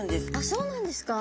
そうなんですか？